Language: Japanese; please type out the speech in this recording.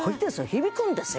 響くんですよ。